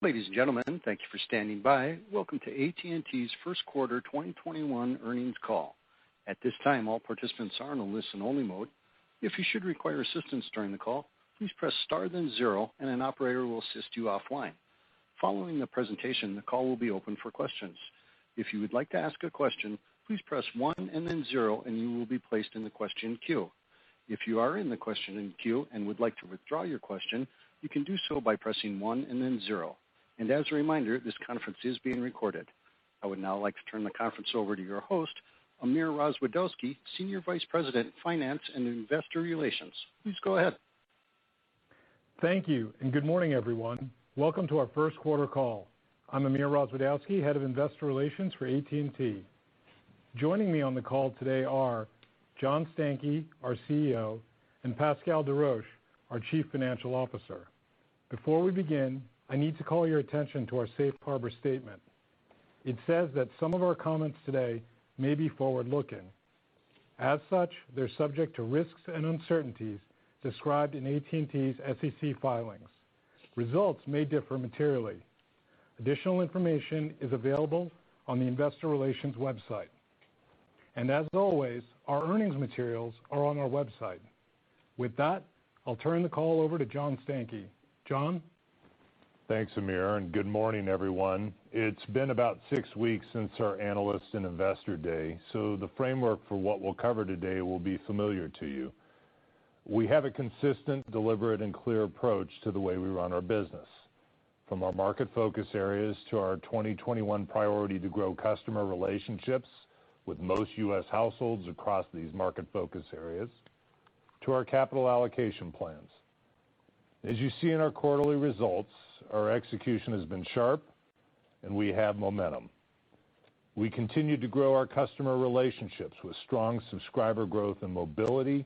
Ladies and gentlemen, thank you for standing by. Welcome to AT&T's first quarter 2021 earnings call. At this time, all participants are in a listen-only mode. If you should require assistance during the call, please press star then zero, and an operator will assist you offline. Following the presentation, the call will be open for questions. If you would like to ask a question, please press one and then zero, and you will be placed in the question queue. If you are in the questioning queue and would like to withdraw your question, you can do so by pressing one and then zero. As a reminder, this conference is being recorded. I would now like to turn the conference over to your host, Amir Rozwadowski, Senior Vice President, Finance and Investor Relations. Please go ahead. Thank you, good morning, everyone. Welcome to our first-quarter call. I'm Amir Rozwadowski, Head of Investor Relations for AT&T. Joining me on the call today are John Stankey, our CEO, and Pascal Desroches, our Chief Financial Officer. Before we begin, I need to call your attention to our safe harbor statement. It says that some of our comments today may be forward-looking. As such, they're subject to risks and uncertainties described in AT&T's SEC filings. Results may differ materially. Additional information is available on the investor relations website. As always, our earnings materials are on our website. With that, I'll turn the call over to John Stankey. John? Thanks, Amir. Good morning, everyone. It's been about six weeks since our Analyst Day, so the framework for what we'll cover today will be familiar to you. We have a consistent, deliberate, and clear approach to the way we run our business, from our market focus areas to our 2021 priority to grow customer relationships with most U.S. households across these market focus areas, to our capital allocation plans. As you see in our quarterly results, our execution has been sharp, and we have momentum. We continue to grow our customer relationships with strong subscriber growth in mobility,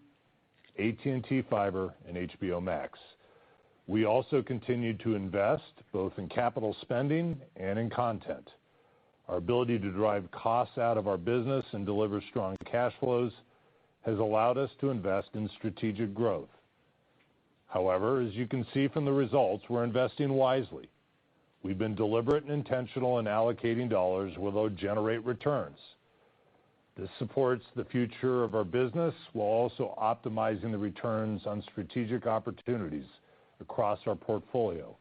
AT&T Fiber, and HBO Max. We also continue to invest both in capital spending and in content. Our ability to drive costs out of our business and deliver strong cash flows has allowed us to invest in strategic growth. However, as you can see from the results, we're investing wisely. We've been deliberate and intentional in allocating dollars where they'll generate returns. This supports the future of our business while also optimizing the returns on strategic opportunities across our portfolio.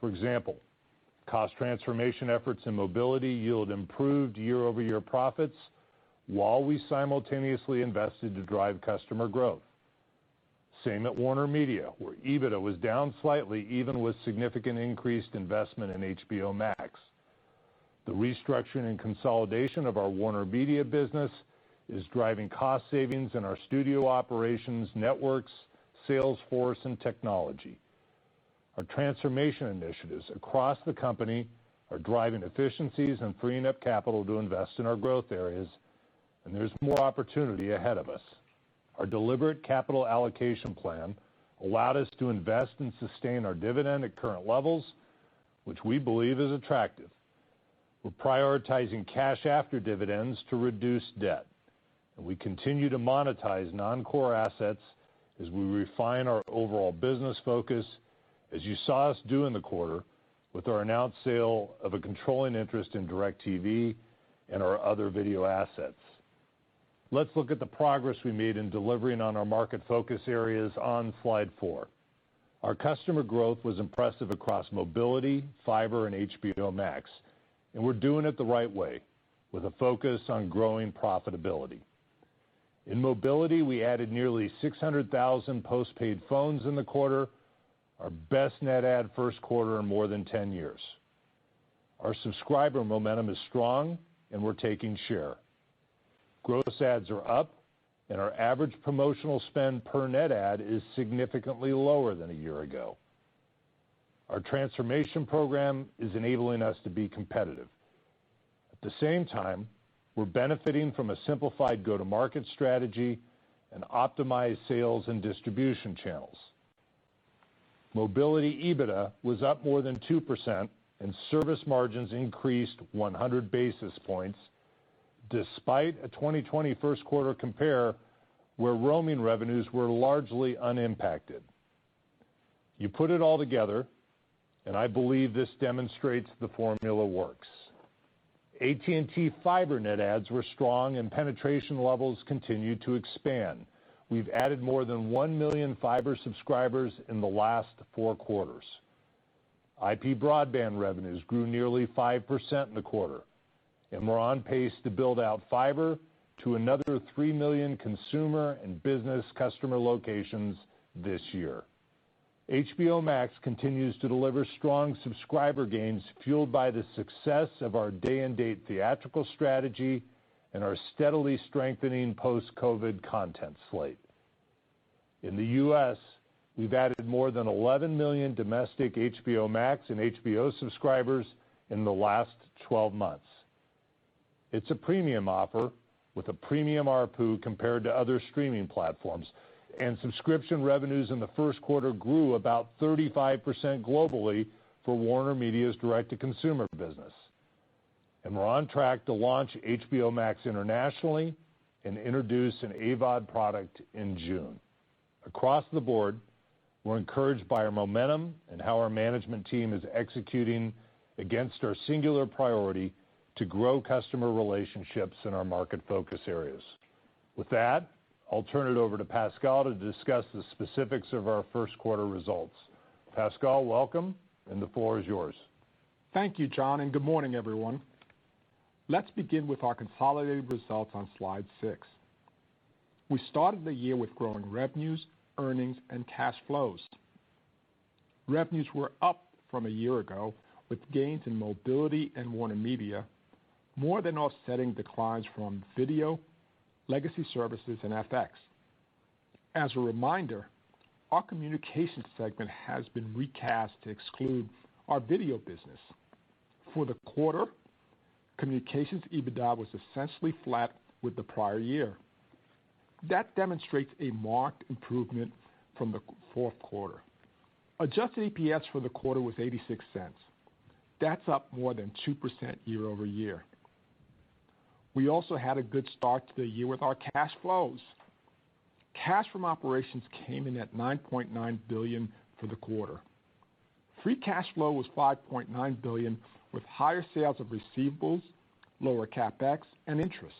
For example, cost transformation efforts and mobility yield improved year-over-year profits while we simultaneously invested to drive customer growth. Same at WarnerMedia, where EBITDA was down slightly even with significant increased investment in HBO Max. The restructuring and consolidation of our WarnerMedia business is driving cost savings in our studio operations, networks, sales force, and technology. Our transformation initiatives across the company are driving efficiencies and freeing up capital to invest in our growth areas, and there's more opportunity ahead of us. Our deliberate capital allocation plan allowed us to invest and sustain our dividend at current levels, which we believe is attractive. We're prioritizing cash after dividends to reduce debt, and we continue to monetize non-core assets as we refine our overall business focus, as you saw us do in the quarter with our announced sale of a controlling interest in DIRECTV and our other video assets. Let's look at the progress we made in delivering on our market focus areas on Slide 4. Our customer growth was impressive across mobility, fiber, and HBO Max, and we're doing it the right way, with a focus on growing profitability. In mobility, we added nearly 600,000 postpaid phones in the quarter, our best net add first quarter in more than 10 years. Our subscriber momentum is strong, and we're taking share. Gross adds are up, and our average promotional spend per net add is significantly lower than a year ago. Our transformation program is enabling us to be competitive. At the same time, we're benefiting from a simplified go-to-market strategy and optimized sales and distribution channels. Mobility EBITDA was up more than 2% and service margins increased 100 basis points despite a 2020 first quarter compare where roaming revenues were largely unimpacted. You put it all together, and I believe this demonstrates the formula works. AT&T Fiber net adds were strong, and penetration levels continued to expand. We've added more than 1 million fiber subscribers in the last four quarters. IP broadband revenues grew nearly 5% in the quarter, and we're on pace to build out fiber to another 3 million consumer and business customer locations this year. HBO Max continues to deliver strong subscriber gains fueled by the success of our day-and-date theatrical strategy and our steadily strengthening post-COVID content slate. In the U.S., we've added more than 11 million domestic HBO Max and HBO subscribers in the last 12 months. It's a premium offer with a premium ARPU compared to other streaming platforms, and subscription revenues in the first quarter grew about 35% globally for WarnerMedia's direct-to-consumer business. We're on track to launch HBO Max internationally and introduce an AVOD product in June. Across the board, we're encouraged by our momentum and how our management team is executing against our singular priority to grow customer relationships in our market focus areas. With that, I'll turn it over to Pascal to discuss the specifics of our first quarter results. Pascal, welcome, and the floor is yours. Thank you, John, and good morning, everyone. Let's begin with our consolidated results on Slide 6. We started the year with growing revenues, earnings, and cash flows. Revenues were up from a year ago with gains in mobility and WarnerMedia, more than offsetting declines from video, legacy services, and FX. As a reminder, our communications segment has been recast to exclude our video business. For the quarter, communications EBITDA was essentially flat with the prior year. That demonstrates a marked improvement from the fourth quarter. Adjusted EPS for the quarter was $0.86. That's up more than 2% year-over-year. We also had a good start to the year with our cash flows. Cash from operations came in at $9.9 billion for the quarter. Free cash flow was $5.9 billion, with higher sales of receivables, lower CapEx, and interest.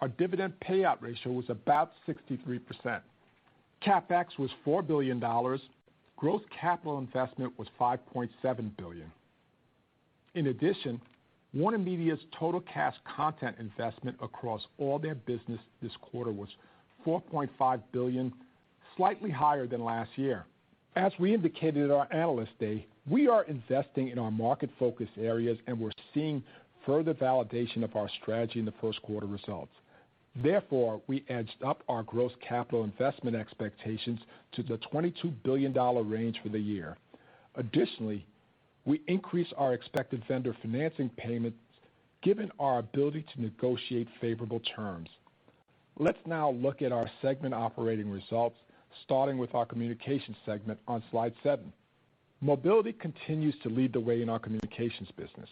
Our dividend payout ratio was about 63%. CapEx was $4 billion. Gross capital investment was $5.7 billion. In addition, WarnerMedia's total cash content investment across all their business this quarter was $4.5 billion, slightly higher than last year. As we indicated at our Analyst Day, we are investing in our market focus areas, and we're seeing further validation of our strategy in the first quarter results. Therefore, we edged up our gross capital investment expectations to the $22 billion range for the year. Additionally, we increased our expected vendor financing payments given our ability to negotiate favorable terms. Let's now look at our segment operating results, starting with our communications segment on Slide 7. Mobility continues to lead the way in our communications business.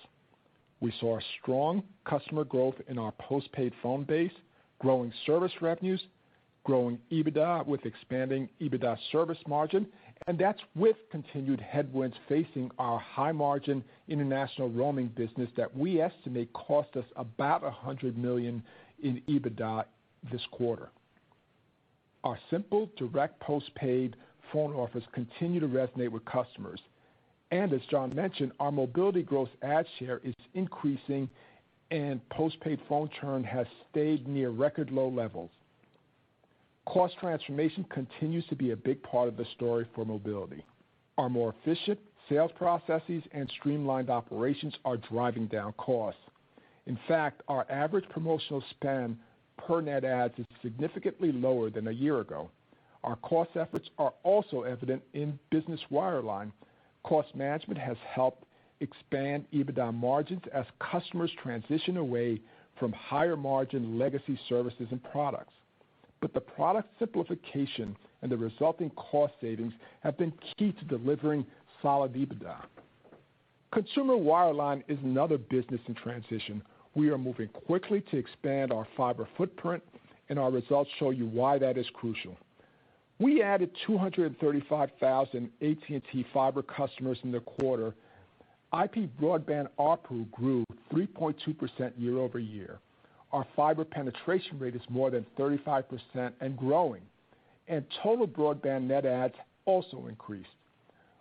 We saw strong customer growth in our postpaid phone base, growing service revenues, growing EBITDA with expanding EBITDA service margin. That's with continued headwinds facing our high-margin international roaming business that we estimate cost us about $100 million in EBITDA this quarter. Our simple, direct postpaid phone offers continue to resonate with customers. As John mentioned, our mobility gross add share is increasing, and postpaid phone churn has stayed near record low levels. Cost transformation continues to be a big part of the story for mobility. Our more efficient sales processes and streamlined operations are driving down costs. In fact, our average promotional spend per net adds is significantly lower than a year ago. Our cost efforts are also evident in business wireline. Cost management has helped expand EBITDA margins as customers transition away from higher-margin legacy services and products. The product simplification and the resulting cost savings have been key to delivering solid EBITDA. Consumer wireline is another business in transition. We are moving quickly to expand our fiber footprint, and our results show you why that is crucial. We added 235,000 AT&T Fiber customers in the quarter. IP broadband ARPU grew 3.2% year-over-year. Our fiber penetration rate is more than 35% and growing, and total broadband net adds also increased.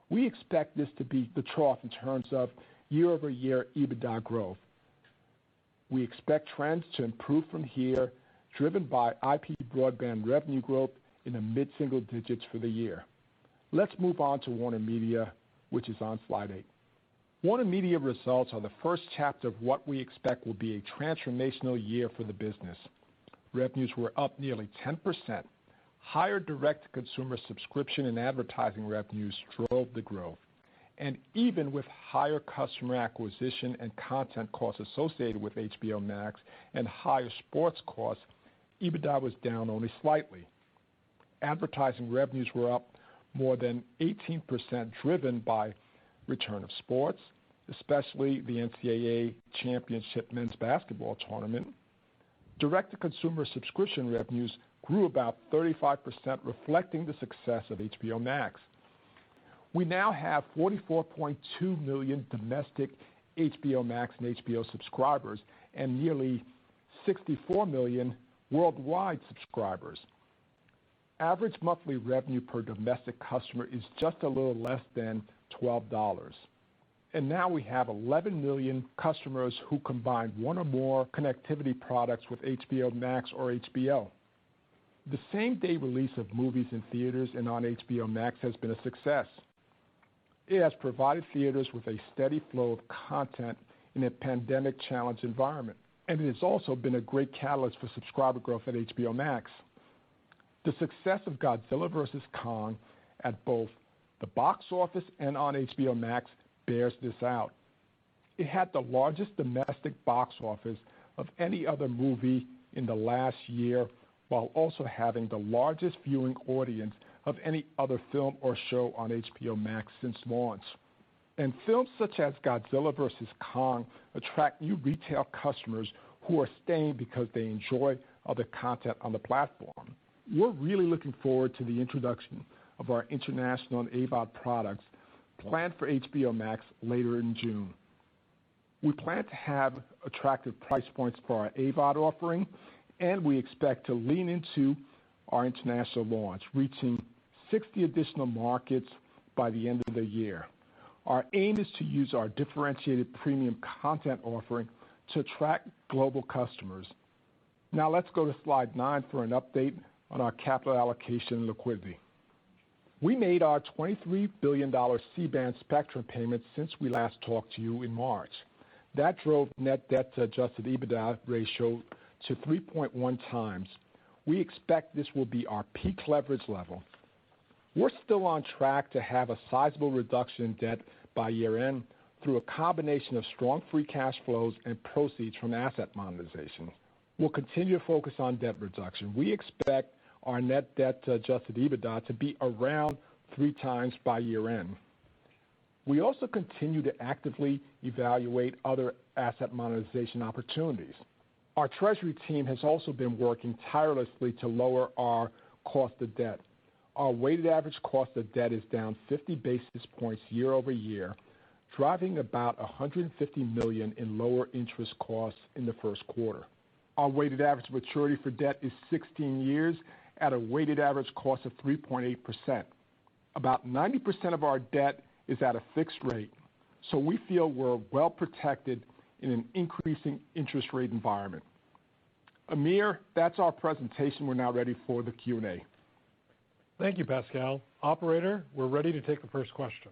We expect this to be the trough in terms of year-over-year EBITDA growth. We expect trends to improve from here, driven by IP broadband revenue growth in the mid-single digits for the year. Let's move on to WarnerMedia, which is on Slide 8. WarnerMedia results are the first chapter of what we expect will be a transformational year for the business. Revenues were up nearly 10%. Higher direct-to-consumer subscription and advertising revenues drove the growth. Even with higher customer acquisition and content costs associated with HBO Max and higher sports costs, EBITDA was down only slightly. Advertising revenues were up more than 18%, driven by return of sports, especially the NCAA Division I Men's Basketball Tournament. Direct-to-consumer subscription revenues grew about 35%, reflecting the success of HBO Max. We now have 44.2 million domestic HBO Max and HBO subscribers and nearly 64 million worldwide subscribers. Average monthly revenue per domestic customer is just a little less than $12. Now we have 11 million customers who combine one or more connectivity products with HBO Max or HBO. The same-day release of movies in theaters and on HBO Max has been a success. It has provided theaters with a steady flow of content in a pandemic-challenged environment, and it has also been a great catalyst for subscriber growth at HBO Max. The success of "Godzilla vs. Kong" at both the box office and on HBO Max bears this out. It had the largest domestic box office of any other movie in the last year, while also having the largest viewing audience of any other film or show on HBO Max since launch. Films such as Godzilla vs. Kong attract new retail customers who are staying because they enjoy other content on the platform. We're really looking forward to the introduction of our international and AVOD products planned for HBO Max later in June. We plan to have attractive price points for our AVOD offering, and we expect to lean into our international launch, reaching 60 additional markets by the end of the year. Our aim is to use our differentiated premium content offering to attract global customers. Now, let's go to Slide 9 for an update on our capital allocation and liquidity. We made our $23 billion C-band spectrum payment since we last talked to you in March. That drove net debt to adjusted EBITDA ratio to 3.1x. We expect this will be our peak leverage level. We're still on track to have a sizable reduction in debt by year-end through a combination of strong free cash flows and proceeds from asset monetization. We'll continue to focus on debt reduction. We expect our net debt to adjusted EBITDA to be around 3x by year-end. We also continue to actively evaluate other asset monetization opportunities. Our treasury team has also been working tirelessly to lower our cost of debt. Our weighted average cost of debt is down 50 basis points year-over-year, driving about $150 million in lower interest costs in the first quarter. Our weighted average maturity for debt is 16 years at a weighted average cost of 3.8%. About 90% of our debt is at a fixed rate. We feel we're well protected in an increasing interest rate environment. Amir, that's our presentation. We're now ready for the Q&A. Thank you, Pascal. Operator, we are ready to take the first question.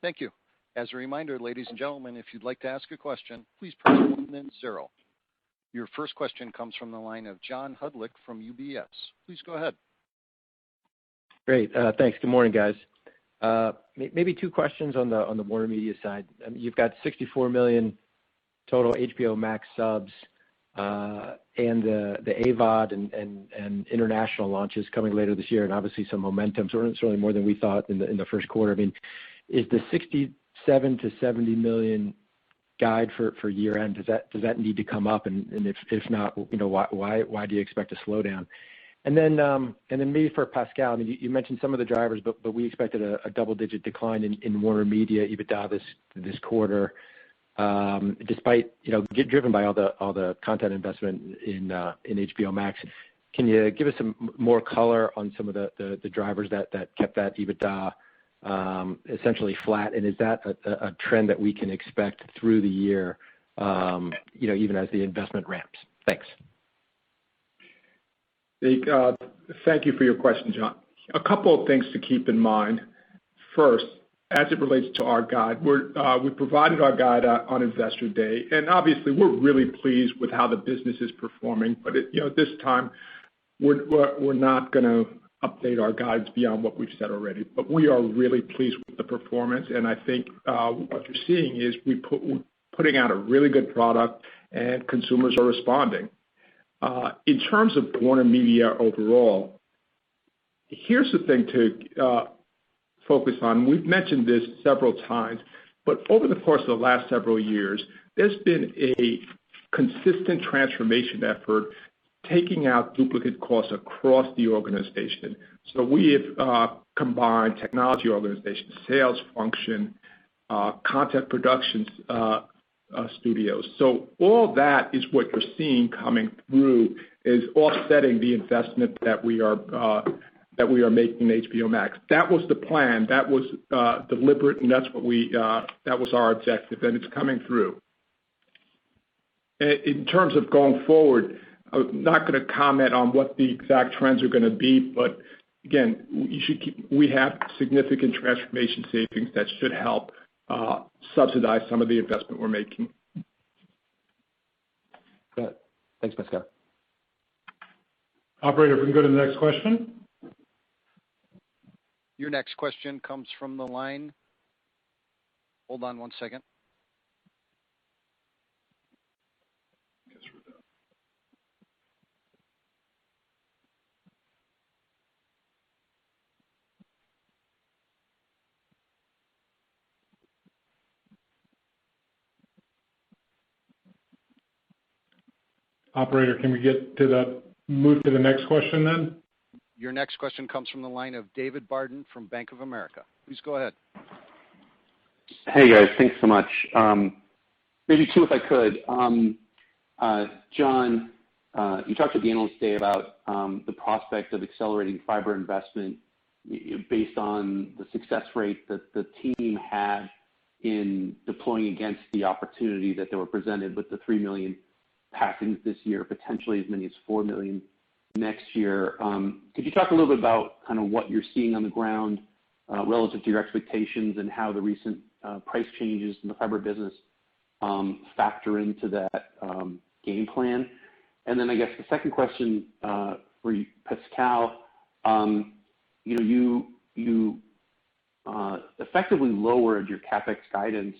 Thank you. As a reminder, ladies and gentlemen, if you'd like to ask a question, please press star then zero. Your first question comes from the line of John Hodulik from UBS. Please go ahead. Great. Thanks. Good morning, guys. Maybe two questions on the WarnerMedia side. You've got 64 million total HBO Max subs, the AVOD and international launch is coming later this year, and obviously some momentum. Certainly more than we thought in the first quarter. Is the 67 million-70 million guide for year-end, does that need to come up? If not, why do you expect a slowdown? Maybe for Pascal, you mentioned some of the drivers, but we expected a double-digit decline in WarnerMedia EBITDA this quarter driven by all the content investment in HBO Max. Can you give us some more color on some of the drivers that kept that EBITDA essentially flat? Is that a trend that we can expect through the year, even as the investment ramps? Thanks. Thank you for your question, John. A couple of things to keep in mind. First, as it relates to our guide, we provided our guide on Investor Day. Obviously, we're really pleased with how the business is performing. At this time, we're not going to update our guides beyond what we've said already. We are really pleased with the performance, and I think what you're seeing is we're putting out a really good product, and consumers are responding. In terms of WarnerMedia overall, here's the thing to focus on. We've mentioned this several times. Over the course of the last several years, there's been a consistent transformation effort, taking out duplicate costs across the organization. We have combined technology organizations, sales function, content production studios. All that is what you're seeing coming through, is offsetting the investment that we are making in HBO Max. That was the plan. That was deliberate, and that was our objective, and it's coming through. In terms of going forward, I'm not going to comment on what the exact trends are going to be, but again, we have significant transformation savings that should help subsidize some of the investment we're making. Got it. Thanks, Pascal. Operator, if we can go to the next question. Your next question comes from the line. Hold on one second. Operator, can we move to the next question then? Your next question comes from the line of David Barden from Bank of America. Please go ahead. Hey, guys. Thanks so much. Maybe two, if I could. John, you talked at the Analyst Day about the prospect of accelerating fiber investment based on the success rate that the team had in deploying against the opportunity that they were presented with the 3 million passings this year, potentially as many as 4 million next year. Could you talk a little bit about what you're seeing on the ground relative to your expectations and how the recent price changes in the fiber business factor into that game plan? I guess the second question for you, Pascal. You effectively lowered your CapEx guidance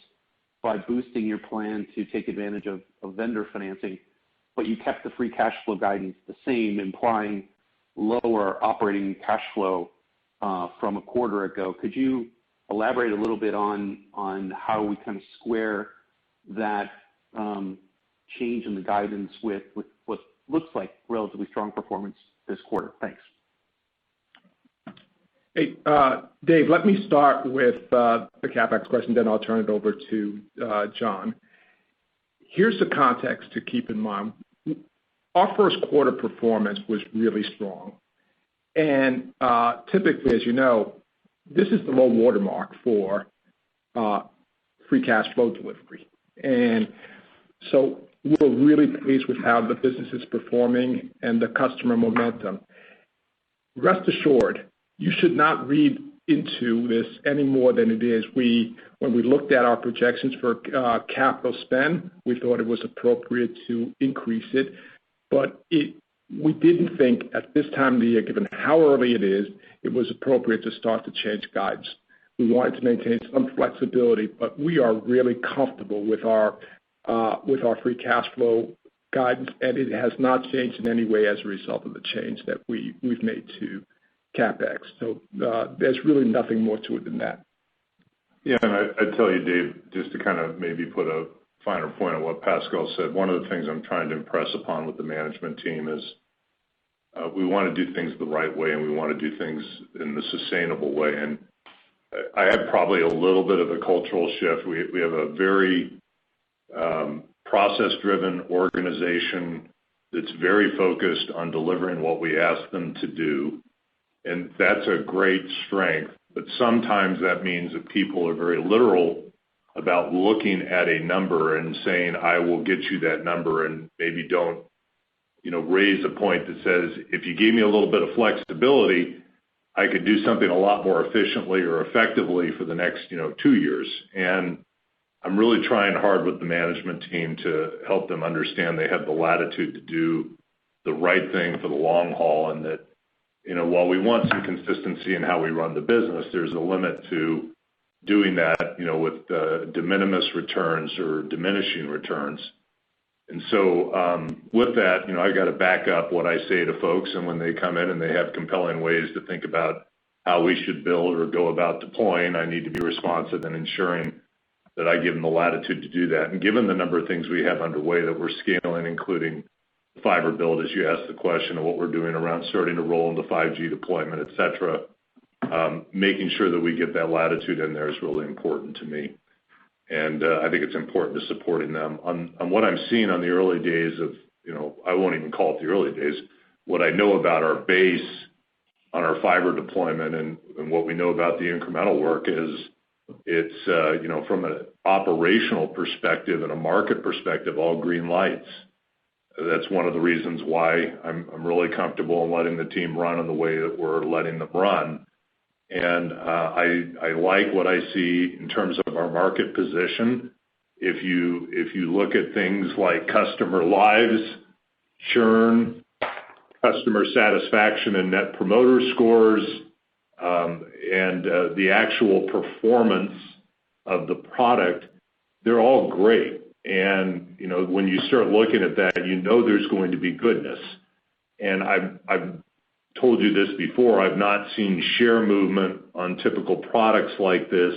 by boosting your plan to take advantage of vendor financing, but you kept the free cash flow guidance the same, implying lower operating cash flow from a quarter ago. Could you elaborate a little bit on how we kind of square that change in the guidance with what looks like relatively strong performance this quarter? Thanks. Hey, Dave, let me start with the CapEx question. I'll turn it over to John. Here's the context to keep in mind. Our first quarter performance was really strong. Typically, as you know, this is the low watermark for free cash flow delivery. We're really pleased with how the business is performing and the customer momentum. Rest assured, you should not read into this any more than it is. When we looked at our projections for capital spend, we thought it was appropriate to increase it. We didn't think at this time of the year, given how early it is, it was appropriate to start to change guidance. We wanted to maintain some flexibility. We are really comfortable with our free cash flow guidance. It has not changed in any way as a result of the change that we've made to CapEx. There's really nothing more to it than that. Yeah. I'd tell you, Dave, just to kind of maybe put a finer point on what Pascal said, one of the things I'm trying to impress upon with the management team is we want to do things the right way, and we want to do things in the sustainable way. I have probably a little bit of a cultural shift. We have a very process-driven organization that's very focused on delivering what we ask them to do, and that's a great strength, but sometimes that means that people are very literal about looking at a number and saying, "I will get you that number," and maybe don't raise a point that says, "If you gave me a little bit of flexibility, I could do something a lot more efficiently or effectively for the next two years." I'm really trying hard with the management team to help them understand they have the latitude to do the right thing for the long haul, and that while we want some consistency in how we run the business, there's a limit to doing that with de minimis returns or diminishing returns. With that I've got to back up what I say to folks, and when they come in and they have compelling ways to think about how we should build or go about deploying, I need to be responsive in ensuring that I give them the latitude to do that. Given the number of things we have underway that we're scaling, including fiber build, as you asked the question of what we're doing around starting to roll into 5G deployment, etc, making sure that we get that latitude in there is really important to me. I think it's important to supporting them. On what I'm seeing on the early days, I won't even call it the early days. What I know about our base on our fiber deployment and what we know about the incremental work is it's, from an operational perspective and a market perspective, all green lights. That's one of the reasons why I'm really comfortable in letting the team run in the way that we're letting them run. I like what I see in terms of our market position. If you look at things like customer lives, churn, customer satisfaction, and net promoter scores, and the actual performance of the product, they're all great. When you start looking at that, you know there's going to be goodness. I've told you this before, I've not seen share movement on typical products like this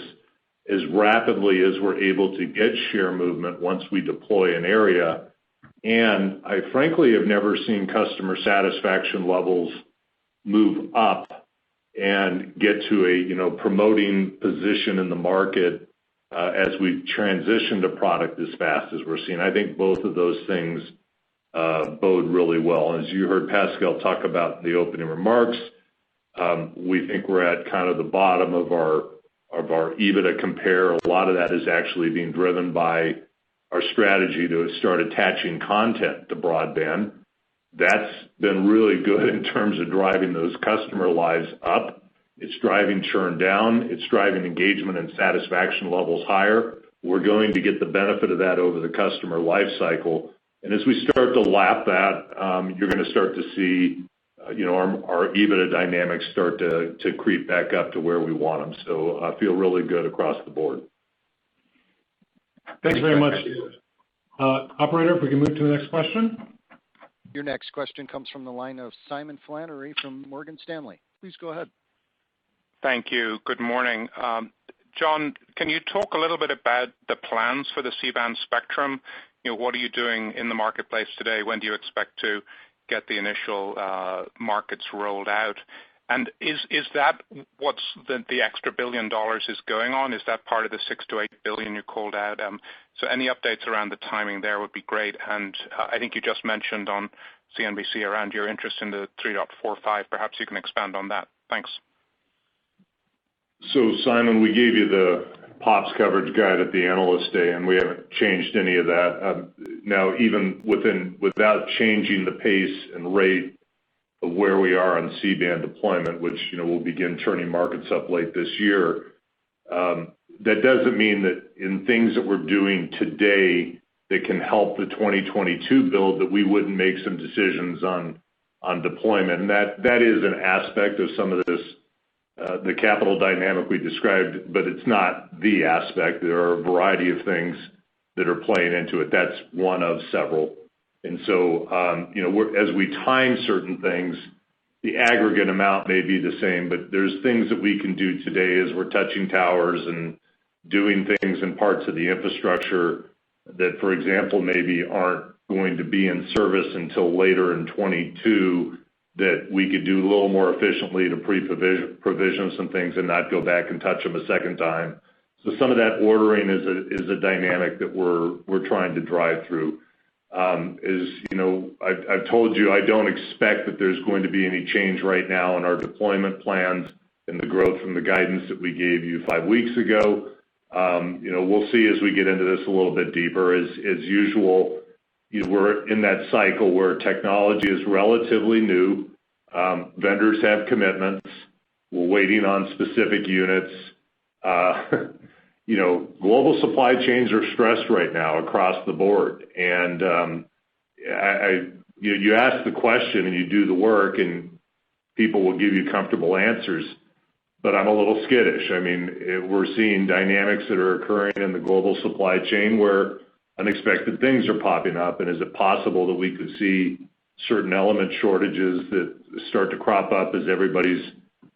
as rapidly as we're able to get share movement once we deploy an area. I frankly have never seen customer satisfaction levels move up and get to a promoting position in the market as we transition to product as fast as we're seeing. I think both of those things bode really well. As you heard Pascal talk about in the opening remarks, we think we're at kind of the bottom of our EBITDA compare. A lot of that is actually being driven by our strategy to start attaching content to broadband. That's been really good in terms of driving those customer lives up. It's driving churn down. It's driving engagement and satisfaction levels higher. We're going to get the benefit of that over the customer life cycle. As we start to lap that, you're going to start to see our EBITDA dynamics start to creep back up to where we want them. I feel really good across the board. Thanks very much. Operator, if we can move to the next question. Your next question comes from the line of Simon Flannery from Morgan Stanley. Please go ahead. Thank you. Good morning. John, can you talk a little bit about the plans for the C-band spectrum? What are you doing in the marketplace today? When do you expect to get the initial markets rolled out? Is that what's the extra $1 billion is going on? Is that part of the $6 billion-$8 billion you called out? Any updates around the timing there would be great. I think you just mentioned on CNBC around your interest in the 3.45. Perhaps you can expand on that. Thanks. Simon, we gave you the POPs coverage guide at the Analyst Day. We haven't changed any of that. Even without changing the pace and rate of where we are on C-band deployment, which we'll begin turning markets up late this year, that doesn't mean that in things that we're doing today that can help the 2022 build, that we wouldn't make some decisions on deployment. That is an aspect of some of this capital dynamic we described, but it's not the aspect. There are a variety of things that are playing into it. That's one of several. As we time certain things, the aggregate amount may be the same, but there's things that we can do today as we're touching towers and doing things in parts of the infrastructure that, for example, maybe aren't going to be in service until later in 2022, that we could do a little more efficiently to pre-provision some things and not go back and touch them a second time. Some of that ordering is a dynamic that we're trying to drive through. I've told you I don't expect that there's going to be any change right now in our deployment plans and the growth from the guidance that we gave you five weeks ago. We'll see as we get into this a little bit deeper. As usual, we're in that cycle where technology is relatively new. Vendors have commitments. We're waiting on specific units. Global supply chains are stressed right now across the board. You ask the question and you do the work, and people will give you comfortable answers, but I'm a little skittish. We're seeing dynamics that are occurring in the global supply chain where unexpected things are popping up. Is it possible that we could see certain element shortages that start to crop up as everybody's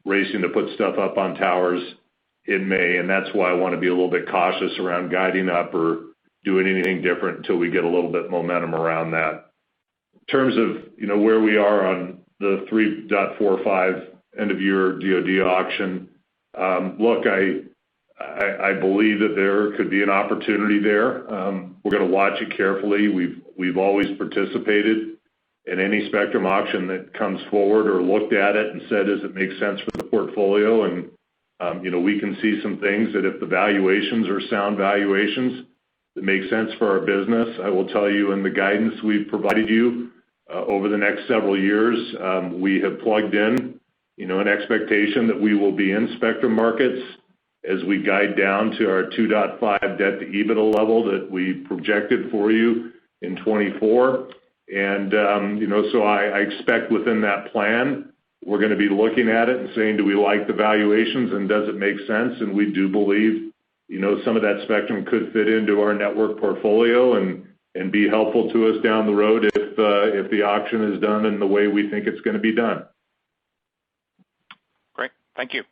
racing to put stuff up on towers in May? That's why I want to be a little bit cautious around guiding up or doing anything different till we get a little bit momentum around that. In terms of where we are on the 3.45 GHz end of year DoD auction. Look, I believe that there could be an opportunity there. We're going to watch it carefully. We've always participated in any spectrum auction that comes forward or looked at it and said, does it make sense for the portfolio? We can see some things that if the valuations are sound valuations that make sense for our business, I will tell you in the guidance we've provided you over the next several years, we have plugged in an expectation that we will be in spectrum markets as we guide down to our 2.5 debt to EBITDA level that we projected for you in 2024. I expect within that plan, we're going to be looking at it and saying, do we like the valuations, and does it make sense? We do believe some of that spectrum could fit into our network portfolio and be helpful to us down the road if the auction is done in the way we think it's going to be done. Great. Thank you.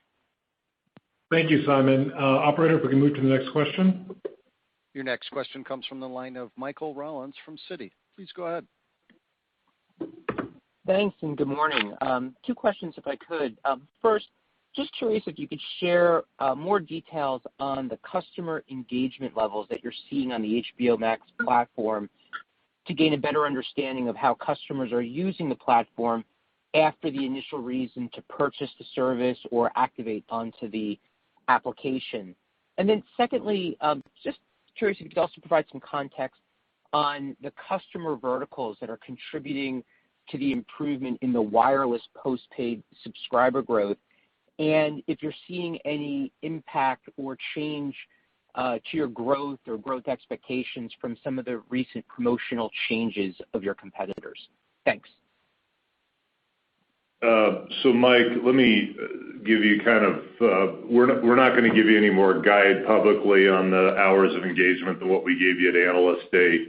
Thank you, Simon. Operator, if we can move to the next question. Your next question comes from the line of Michael Rollins from Citi. Please go ahead. Thanks and good morning. Two questions, if I could. First, just curious if you could share more details on the customer engagement levels that you're seeing on the HBO Max platform to gain a better understanding of how customers are using the platform after the initial reason to purchase the service or activate onto the application. Secondly, just curious if you could also provide some context on the customer verticals that are contributing to the improvement in the wireless postpaid subscriber growth and if you're seeing any impact or change to your growth or growth expectations from some of the recent promotional changes of your competitors. Thanks. Mike, we're not going to give you any more guide publicly on the hours of engagement than what we gave you at Analyst Day.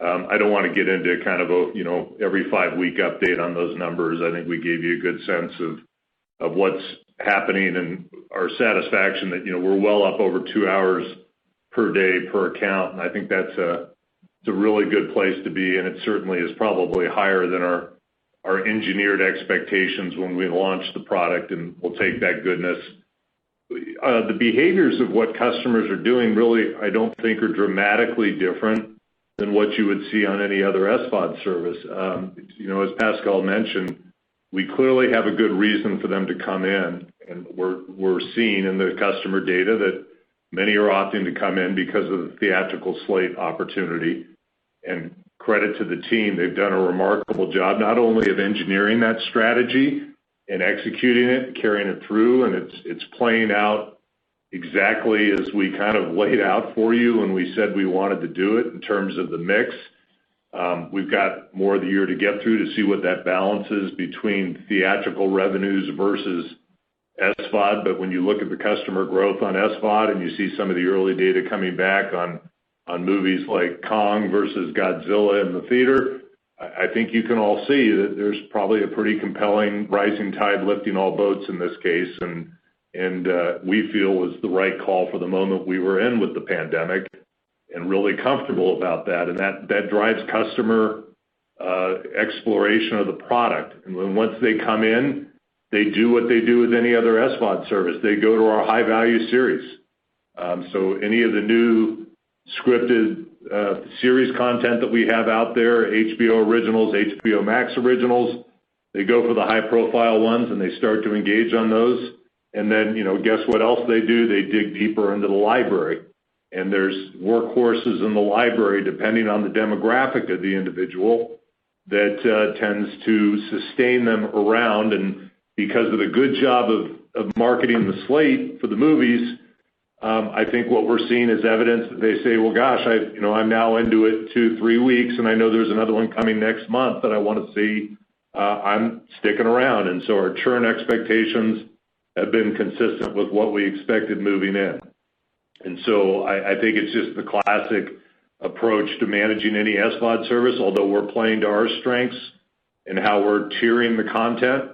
I don't want to get into a every five-week update on those numbers. I think we gave you a good sense of what's happening and our satisfaction that we're well up over two hours per day per account. I think that's a really good place to be, and it certainly is probably higher than our engineered expectations when we launched the product, and we'll take that goodness. The behaviors of what customers are doing, really, I don't think are dramatically different than what you would see on any other SVOD service. As Pascal mentioned, we clearly have a good reason for them to come in, and we're seeing in the customer data that many are opting to come in because of the theatrical slate opportunity. Credit to the team, they've done a remarkable job not only of engineering that strategy and executing it and carrying it through, and it's playing out exactly as we laid out for you when we said we wanted to do it in terms of the mix. We've got more of the year to get through to see what that balance is between theatrical revenues versus SVOD. When you look at the customer growth on SVOD and you see some of the early data coming back on movies like Kong vs. Godzilla in the theater, I think you can all see that there's probably a pretty compelling rising tide lifting all boats in this case and we feel was the right call for the moment we were in with the pandemic and really comfortable about that. That drives customer exploration of the product. Once they come in, they do what they do with any other SVOD service. They go to our high-value series. Any of the new scripted series content that we have out there, HBO Originals, HBO Max Originals, they go for the high-profile ones, and they start to engage on those. Guess what else they do? They dig deeper into the library, there's workhorses in the library, depending on the demographic of the individual that tends to sustain them around. Because of the good job of marketing the slate for the movies. I think what we're seeing is evidence that they say, "Well, gosh, I'm now into it two, three weeks, and I know there's another one coming next month that I want to see. I'm sticking around." Our churn expectations have been consistent with what we expected moving in. I think it's just the classic approach to managing any SVOD service, although we're playing to our strengths and how we're tiering the content,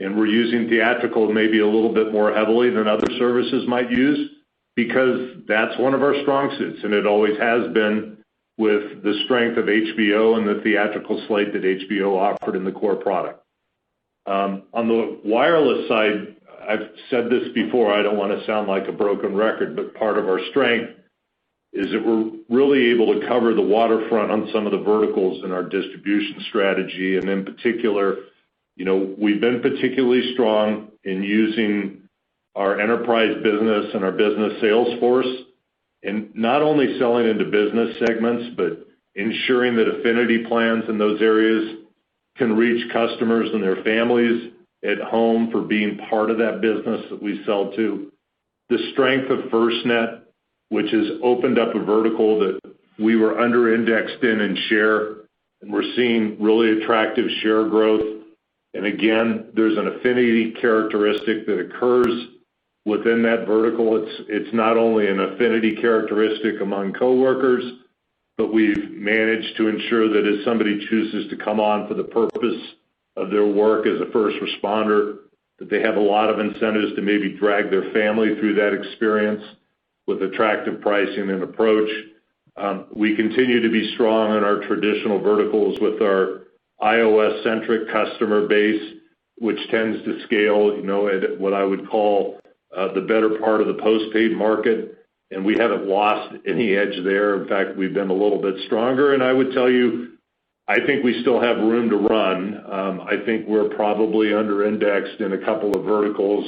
and we're using theatrical maybe a little bit more heavily than other services might use, because that's one of our strong suits, and it always has been with the strength of HBO and the theatrical slate that HBO offered in the core product. On the wireless side, I've said this before, I don't want to sound like a broken record, but part of our strength is that we're really able to cover the waterfront on some of the verticals in our distribution strategy. In particular, we've been particularly strong in using our enterprise business and our business sales force in not only selling into business segments, but ensuring that affinity plans in those areas can reach customers and their families at home for being part of that business that we sell to. The strength of FirstNet, which has opened up a vertical that we were under-indexed in in share, and we're seeing really attractive share growth. Again, there's an affinity characteristic that occurs within that vertical. It's not only an affinity characteristic among coworkers, but we've managed to ensure that as somebody chooses to come on for the purpose of their work as a first responder, that they have a lot of incentives to maybe drag their family through that experience with attractive pricing and approach. We continue to be strong in our traditional verticals with our iOS-centric customer base, which tends to scale at what I would call the better part of the postpaid market. We haven't lost any edge there. In fact, we've been a little bit stronger. I would tell you, I think we still have room to run. I think we're probably under-indexed in a couple of verticals,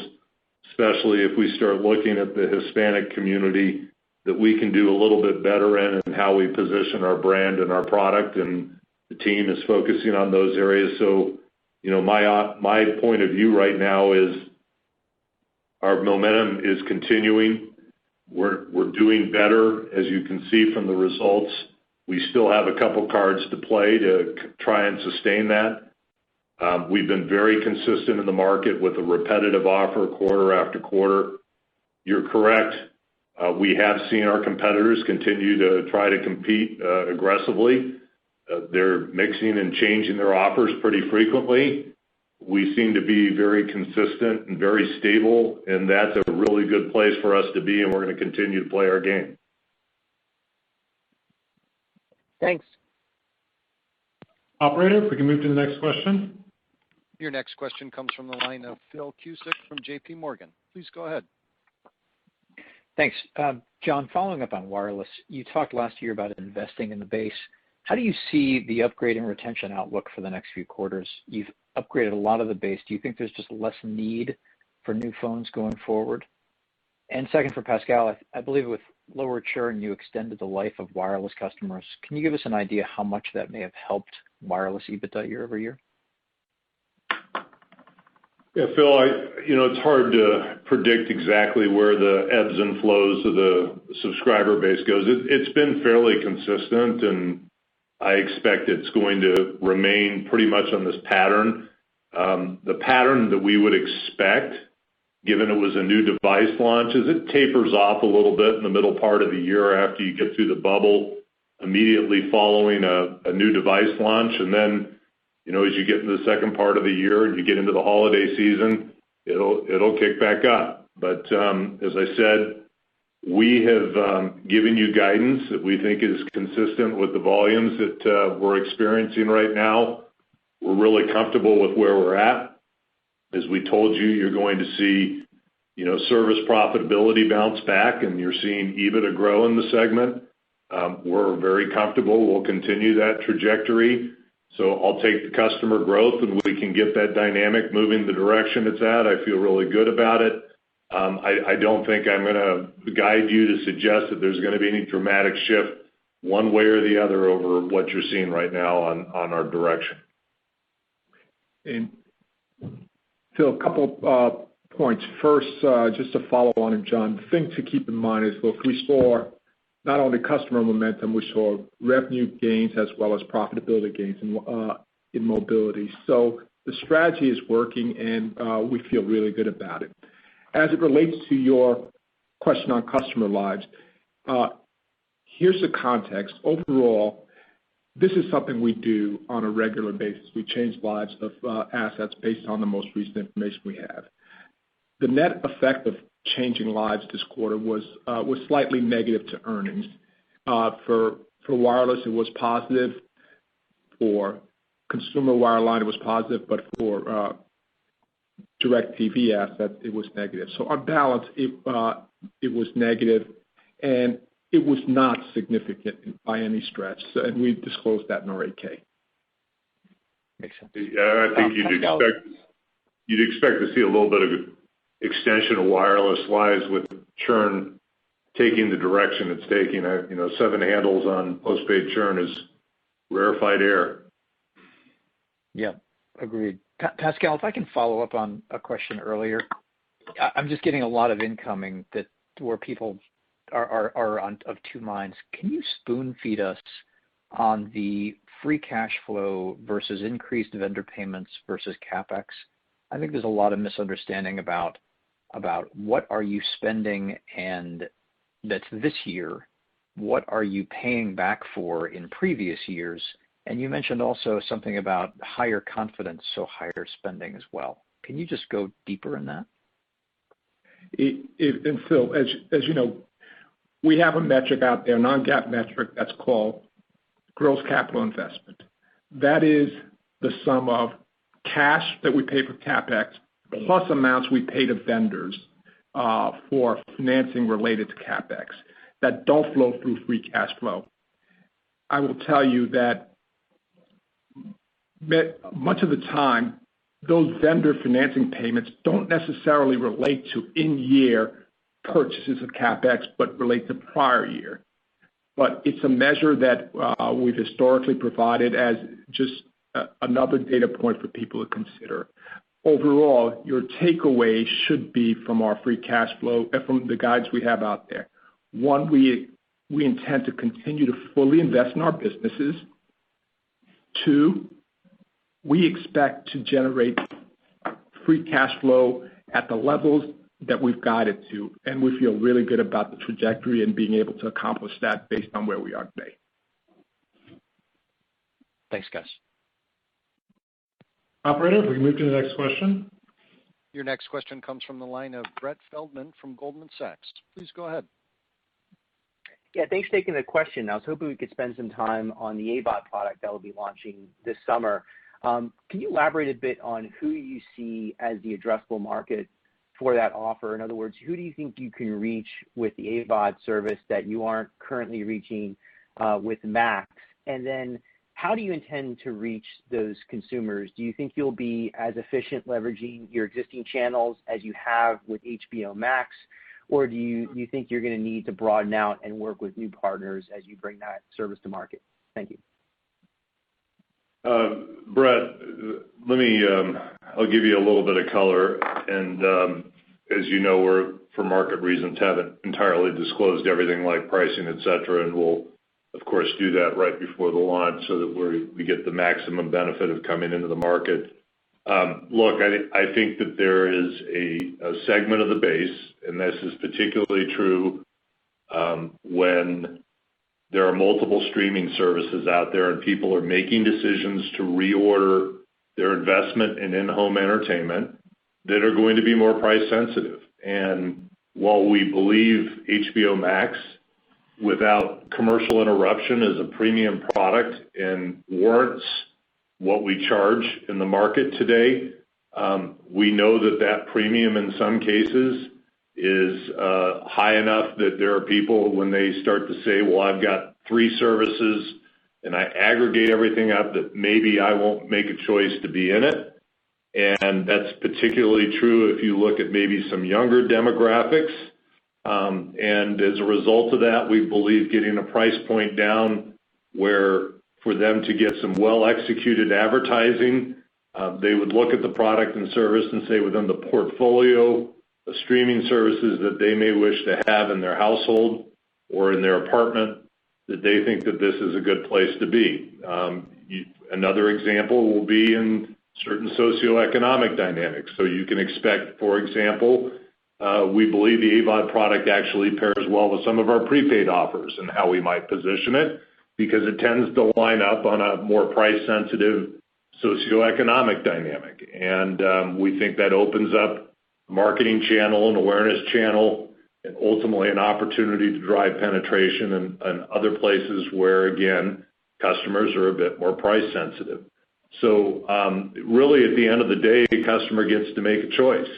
especially if we start looking at the Hispanic community that we can do a little bit better in how we position our brand and our product. The team is focusing on those areas. My point of view right now is our momentum is continuing. We're doing better, as you can see from the results. We still have a couple of cards to play to try and sustain that. We've been very consistent in the market with a repetitive offer quarter-after-quarter. You're correct, we have seen our competitors continue to try to compete aggressively. They're mixing and changing their offers pretty frequently. We seem to be very consistent and very stable, and that's a really good place for us to be, and we're going to continue to play our game. Thanks. Operator, if we can move to the next question. Your next question comes from the line of Philip Cusick from JPMorgan. Please go ahead. Thanks. John, following up on wireless, you talked last year about investing in the base. How do you see the upgrade and retention outlook for the next few quarters? You've upgraded a lot of the base. Do you think there's just less need for new phones going forward? Second, for Pascal, I believe with lower churn, you extended the life of wireless customers. Can you give us an idea how much that may have helped wireless EBITDA year-over-year? Philip, it's hard to predict exactly where the ebbs and flows of the subscriber base goes. It's been fairly consistent, I expect it's going to remain pretty much on this pattern. The pattern that we would expect, given it was a new device launch, is it tapers off a little bit in the middle part of the year after you get through the bubble immediately following a new device launch. Then, as you get into the second part of the year and you get into the holiday season, it'll kick back up. As I said, we have given you guidance that we think is consistent with the volumes that we're experiencing right now. We're really comfortable with where we're at. As we told you're going to see service profitability bounce back, and you're seeing EBITDA grow in the segment. We're very comfortable. We'll continue that trajectory. I'll take the customer growth, and we can get that dynamic moving the direction it's at. I feel really good about it. I don't think I'm going to guide you to suggest that there's going to be any dramatic shift one way or the other over what you're seeing right now on our direction. Phil, a couple points. First, just to follow on with John. The thing to keep in mind is, look, we saw not only customer momentum, we saw revenue gains as well as profitability gains in mobility. The strategy is working, and we feel really good about it. As it relates to your question on customer lives, here's the context. Overall, this is something we do on a regular basis. We change lives of assets based on the most recent information we have. The net effect of changing lives this quarter was slightly negative to earnings. For wireless, it was positive. For consumer wireline, it was positive, for DIRECTV asset, it was negative. On balance, it was negative, and it was not significant by any stretch, and we disclosed that in our 8-K. Makes sense. Yeah, I think you'd expect to see a little bit of extension of wireless lives with churn taking the direction it's taking. Seven handles on postpaid churn is rarefied air. Agreed. Pascal, if I can follow up on a question earlier. I'm just getting a lot of incoming where people are of two minds. Can you spoon feed us on the free cash flow versus increased vendor payments versus CapEx? I think there's a lot of misunderstanding about what are you spending and that this year, what are you paying back for in previous years? You mentioned also something about higher confidence, higher spending as well. Can you just go deeper in that? Philip Cusick, as you know, we have a metric out there, a non-GAAP metric that's called gross capital investment. That is the sum of cash that we pay for CapEx, plus amounts we pay to vendors for financing related to CapEx that don't flow through free cash flow. I will tell you that much of the time, those vendor financing payments don't necessarily relate to in-year purchases of CapEx, but relate to prior year. It's a measure that we've historically provided as just another data point for people to consider. Overall, your takeaway should be from our free cash flow, from the guides we have out there. One, we intend to continue to fully invest in our businesses. Two, we expect to generate free cash flow at the levels that we've guided to. We feel really good about the trajectory and being able to accomplish that based on where we are today. Thanks, guys. Operator, can we move to the next question? Your next question comes from the line of Brett Feldman from Goldman Sachs. Please go ahead. Yeah, thanks for taking the question. I was hoping we could spend some time on the AVOD product that will be launching this summer. Can you elaborate a bit on who you see as the addressable market for that offer? In other words, who do you think you can reach with the AVOD service that you aren't currently reaching with Max? How do you intend to reach those consumers? Do you think you'll be as efficient leveraging your existing channels as you have with HBO Max? Do you think you're going to need to broaden out and work with new partners as you bring that service to market? Thank you. Brett, I'll give you a little bit of color, and as you know, for market reasons, haven't entirely disclosed everything like pricing, etc, and we'll, of course, do that right before the launch so that we get the maximum benefit of coming into the market. Look, I think that there is a segment of the base, and this is particularly true when there are multiple streaming services out there and people are making decisions to reorder their investment in in-home entertainment that are going to be more price sensitive. While we believe HBO Max without commercial interruption is a premium product and warrants what we charge in the market today, we know that that premium, in some cases, is high enough that there are people when they start to say, "Well, I've got three services and I aggregate everything up that maybe I won't make a choice to be in it." That's particularly true if you look at maybe some younger demographics. As a result of that, we believe getting a price point down where for them to get some well-executed advertising, they would look at the product and service and say within the portfolio of streaming services that they may wish to have in their household or in their apartment, that they think that this is a good place to be. Another example will be in certain socioeconomic dynamics. You can expect, for example, we believe the AVOD product actually pairs well with some of our prepaid offers and how we might position it because it tends to line up on a more price sensitive socioeconomic dynamic. We think that opens up a marketing channel, an awareness channel, and ultimately an an opportunity to drive penetration in other places where, again, customers are a bit more price sensitive. Really, at the end of the day, the customer gets to make a choice.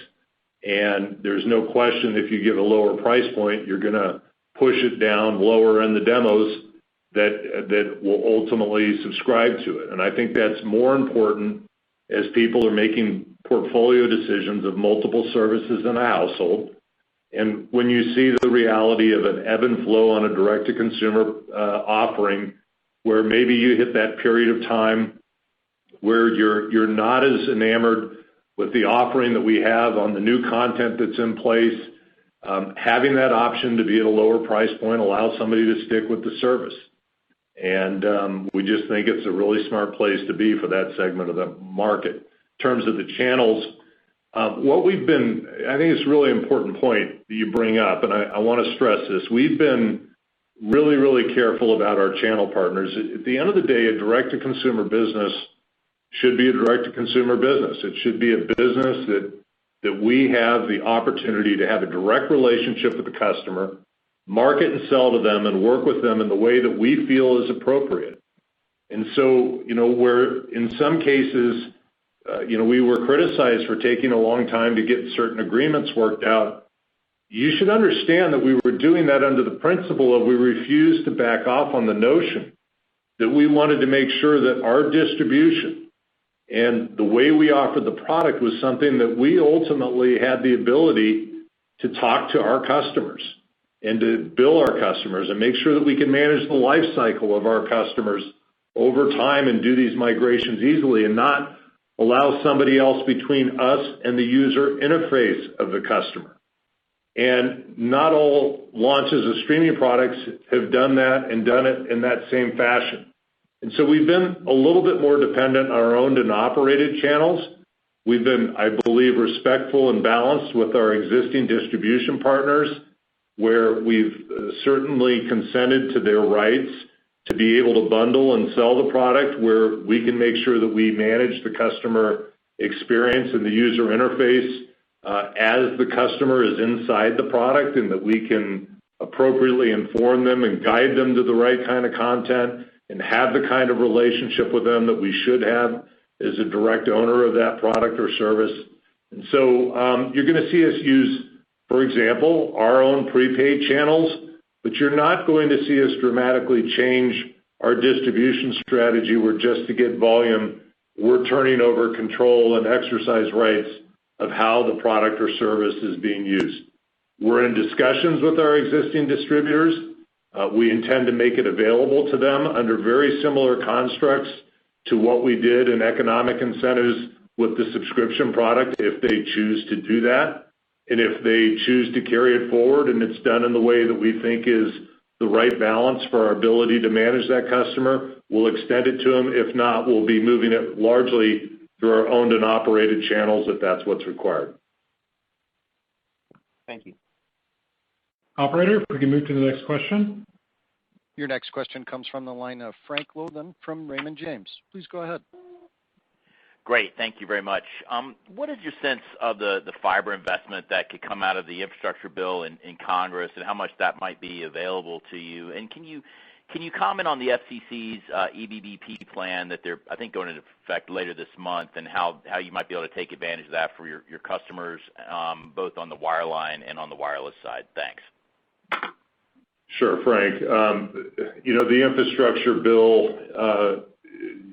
There's no question if you give a lower price point, you're going to push it down lower in the demos that will ultimately subscribe to it. I think that's more important as people are making portfolio decisions of multiple services in a household. When you see the reality of an ebb and flow on a direct-to-consumer offering, where maybe you hit that period of time where you're not as enamored with the offering that we have on the new content that's in place, having that option to be at a lower price point allows somebody to stick with the service. We just think it's a really smart place to be for that segment of the market. In terms of the channels, I think it's a really important point that you bring up and I want to stress this. We've been really careful about our channel partners. At the end of the day, a direct-to-consumer business should be a direct-to-consumer business. It should be a business that we have the opportunity to have a direct relationship with the customer, market and sell to them and work with them in the way that we feel is appropriate. In some cases, we were criticized for taking a long time to get certain agreements worked out. You should understand that we were doing that under the principle of we refuse to back off on the notion that we wanted to make sure that our distribution and the way we offered the product was something that we ultimately had the ability to talk to our customers and to bill our customers and make sure that we can manage the life cycle of our customers over time and do these migrations easily and not allow somebody else between us and the user interface of the customer. Not all launches of streaming products have done that and done it in that same fashion. We've been a little bit more dependent on our owned and operated channels. We've been, I believe, respectful and balanced with our existing distribution partners, where we've certainly consented to their rights to be able to bundle and sell the product, where we can make sure that we manage the customer experience and the user interface, as the customer is inside the product, and that we can appropriately inform them and guide them to the right kind of content and have the kind of relationship with them that we should have as a direct owner of that product or service. You're going to see us use, for example, our own prepaid channels, but you're not going to see us dramatically change our distribution strategy where just to get volume, we're turning over control and exercise rights of how the product or service is being used. We're in discussions with our existing distributors. We intend to make it available to them under very similar constructs to what we did in economic incentives with the subscription product, if they choose to do that. If they choose to carry it forward and it's done in the way that we think is the right balance for our ability to manage that customer, we'll extend it to them. If not, we'll be moving it largely through our owned and operated channels if that's what's required. Thank you. Operator, we can move to the next question. Your next question comes from the line of Frank Louthan from Raymond James. Please go ahead. Great. Thank you very much. What is your sense of the fiber investment that could come out of the infrastructure bill in Congress and how much that might be available to you? Can you comment on the FCC's EBB Program that they're, I think, going into effect later this month, and how you might be able to take advantage of that for your customers, both on the wireline and on the wireless side? Thanks. Sure, Frank. The infrastructure bill,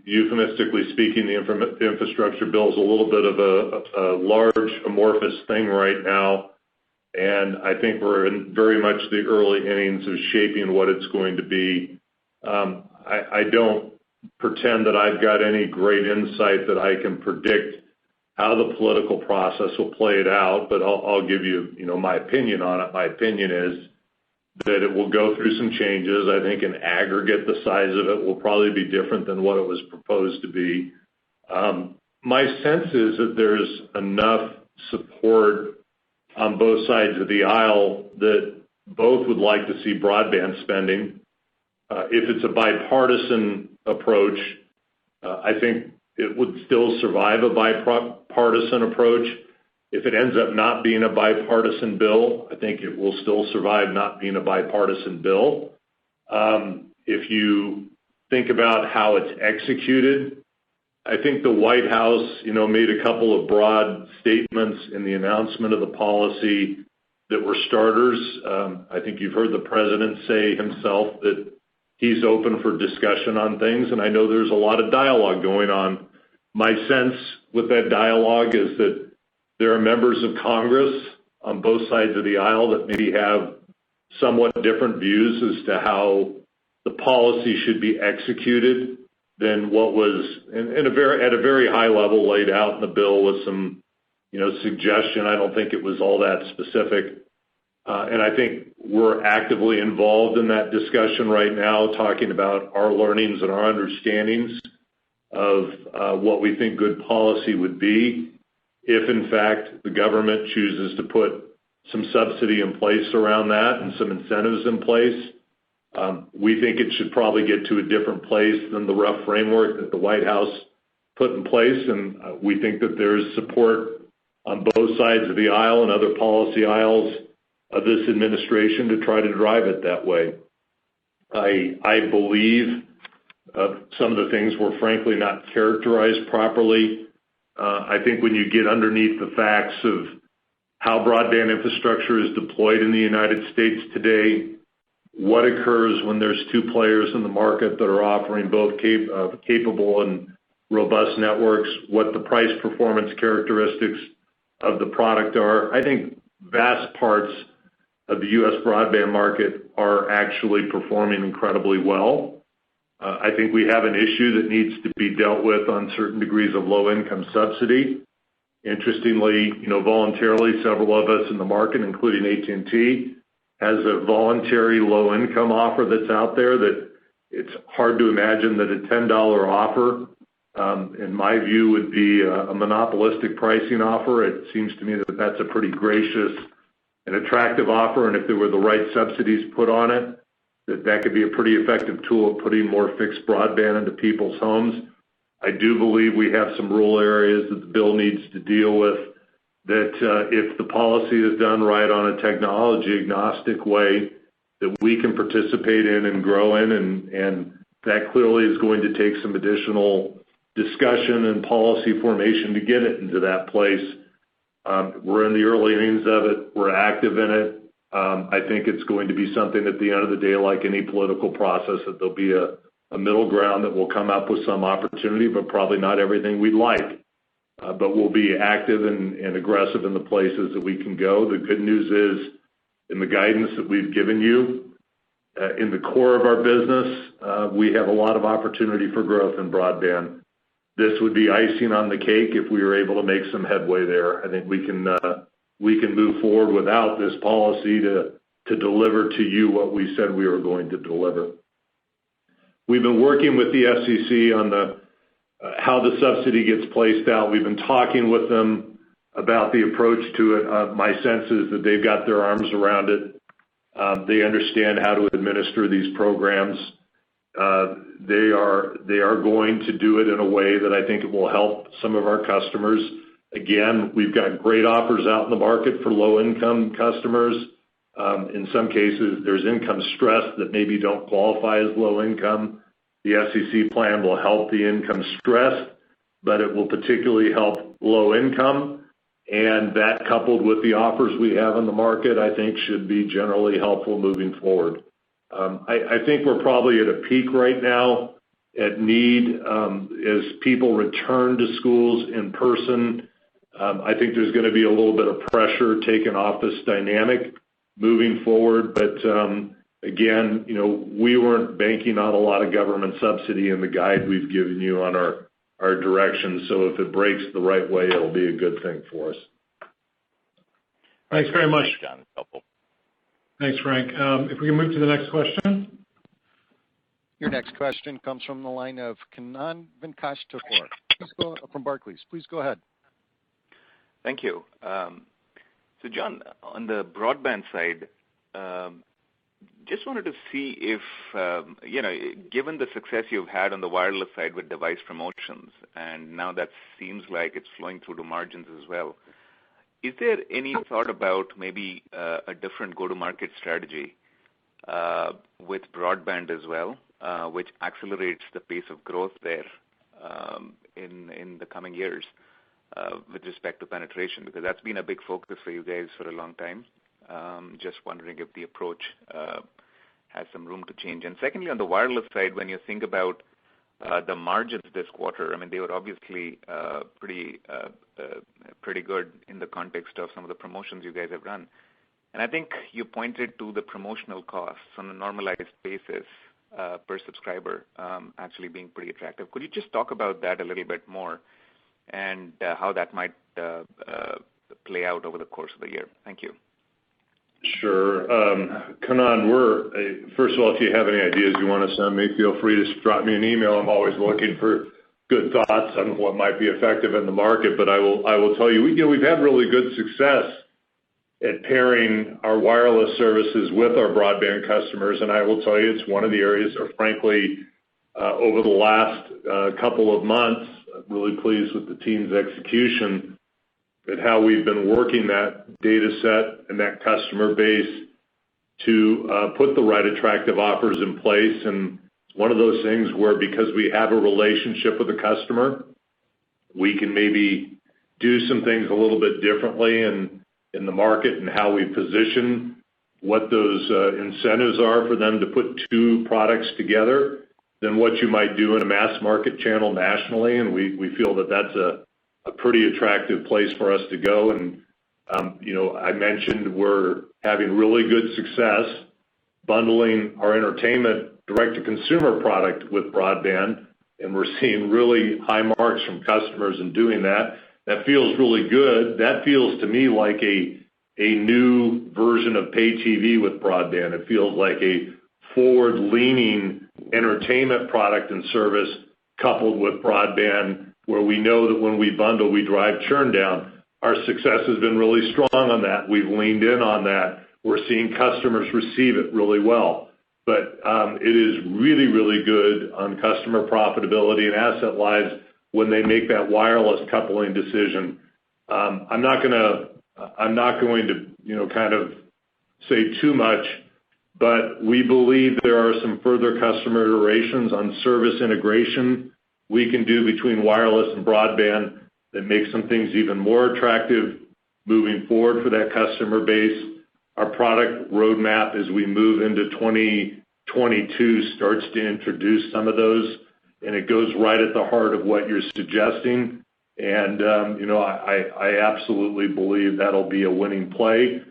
euphemistically speaking, the infrastructure bill is a little bit of a large amorphous thing right now. I think we're in very much the early innings of shaping what it's going to be. I don't pretend that I've got any great insight that I can predict how the political process will play it out. I'll give you my opinion on it. My opinion is that it will go through some changes. I think in aggregate, the size of it will probably be different than what it was proposed to be. My sense is that there's enough support on both sides of the aisle that both would like to see broadband spending. If it's a bipartisan approach, I think it would still survive a bipartisan approach. If it ends up not being a bipartisan bill, I think it will still survive not being a bipartisan bill. If you think about how it's executed, I think the White House made a couple of broad statements in the announcement of the policy that were starters. I think you've heard the president say himself that he's open for discussion on things, and I know there's a lot of dialogue going on. My sense with that dialogue is that there are members of Congress on both sides of the aisle that maybe have somewhat different views as to how the policy should be executed than what was, at a very high level, laid out in the bill with some suggestion. I don't think it was all that specific. I think we're actively involved in that discussion right now, talking about our learnings and our understandings of what we think good policy would be. If in fact the government chooses to put some subsidy in place around that and some incentives in place, we think it should probably get to a different place than the rough framework that the White House put in place, and we think that there is support on both sides of the aisle and other policy aisles of this administration to try to drive it that way. I believe some of the things were frankly not characterized properly. I think when you get underneath the facts of how broadband infrastructure is deployed in the United States today, what occurs when there's two players in the market that are offering both capable and robust networks, what the price performance characteristics of the product are. I think vast parts of the U.S. broadband market are actually performing incredibly well. I think we have an issue that needs to be dealt with on certain degrees of low-income subsidy. Interestingly, voluntarily, several of us in the market, including AT&T, has a voluntary low-income offer that's out there that it's hard to imagine that a $10 offer, in my view, would be a monopolistic pricing offer. It seems to me that that's a pretty gracious and attractive offer, and if there were the right subsidies put on it, that that could be a pretty effective tool of putting more fixed broadband into people's homes. I do believe we have some rural areas that the bill needs to deal with, that if the policy is done right on a technology-agnostic way, that we can participate in and grow in, that clearly is going to take some additional discussion and policy formation to get it into that place. We're in the early innings of it. We're active in it. I think it's going to be something at the end of the day, like any political process, that there'll be a middle ground that will come up with some opportunity, but probably not everything we'd like. We'll be active and aggressive in the places that we can go. The good news is, in the guidance that we've given you in the core of our business, we have a lot of opportunity for growth in broadband. This would be icing on the cake if we were able to make some headway there. I think we can move forward without this policy to deliver to you what we said we were going to deliver. We've been working with the FCC on how the subsidy gets placed out. We've been talking with them about the approach to it. My sense is that they've got their arms around it. They understand how to administer these programs. They are going to do it in a way that I think it will help some of our customers. Again, we've got great offers out in the market for low-income customers. In some cases, there's income stress that maybe don't qualify as low-income. The FCC plan will help the income-stressed, but it will particularly help low income, and that coupled with the offers we have on the market, I think should be generally helpful moving forward. I think we're probably at a peak right now at need. As people return to schools in person, I think there's going to be a little bit of pressure taken off this dynamic moving forward. Again, we weren't banking on a lot of government subsidy in the guide we've given you on our directions. If it breaks the right way, it'll be a good thing for us. Thanks very much. John. That's helpful. Thanks, Frank. If we can move to the next question. Your next question comes from the line of Kannan Venkateshwar from Barclays. Please go ahead. Thank you. John, on the broadband side, just wanted to see if, given the success you've had on the wireless side with device promotions, and now that seems like it's flowing through the margins as well, is there any thought about maybe a different go-to-market strategy with broadband as well which accelerates the pace of growth there in the coming years with respect to penetration? Because that's been a big focus for you guys for a long time. Just wondering if the approach has some room to change? Secondly, on the wireless side, when you think about the margins this quarter, they were obviously pretty good in the context of some of the promotions you guys have run. I think you pointed to the promotional costs on a normalized basis per subscriber actually being pretty attractive. Could you just talk about that a little bit more, and how that might play out over the course of the year? Thank you. Sure. Kannan, first of all, if you have any ideas you want to send me, feel free. Just drop me an email. I'm always looking for good thoughts on what might be effective in the market. I will tell you, we've had really good success at pairing our wireless services with our broadband customers. I will tell you, it's one of the areas where, frankly, over the last couple of months, I'm really pleased with the team's execution and how we've been working that data set and that customer base to put the right attractive offers in place. It's one of those things where because we have a relationship with the customer, we can maybe do some things a little bit differently in the market and how we position what those incentives are for them to put two products together than what you might do in a mass market channel nationally. We feel that that's a pretty attractive place for us to go. I mentioned we're having really good success bundling our entertainment direct-to-consumer product with broadband, and we're seeing really high marks from customers in doing that. That feels really good. That feels to me like a new version of pay TV with broadband. It feels like a forward-leaning entertainment product and service coupled with broadband, where we know that when we bundle, we drive churn down. Our success has been really strong on that. We've leaned in on that. We're seeing customers receive it really well. It is really, really good on customer profitability and asset lives when they make that wireless coupling decision. I'm not going to say too much, but we believe there are some further customer iterations on service integration we can do between wireless and broadband that makes some things even more attractive moving forward for that customer base. Our product roadmap, as we move into 2022, starts to introduce some of those, and it goes right at the heart of what you're suggesting. I absolutely believe that'll be a winning play.